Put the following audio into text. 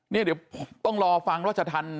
เนี่ยเดี๋ยวต้องรอฟังว่าจะทัน